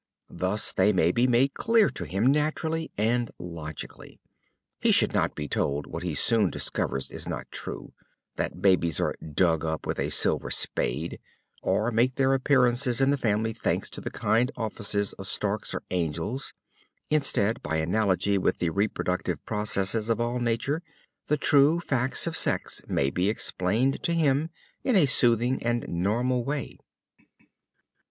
Thus they may be made clear to him naturally and logically. He should not be told what he soon discovers is not true: that babies are "dug up with a silver spade," or make their appearances in the family thanks to the kind offices of storks or angels. Instead, by analogy with the reproductive processes of all nature, the true facts of sex may be explained to him in a soothing and normal way.